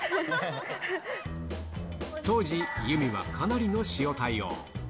当時、由美はかなりの塩対応。